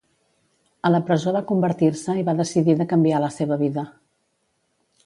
A la presó va convertir-se i va decidir de canviar la seva vida.